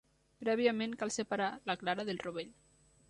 Prèviament, cal separar la clara del rovell.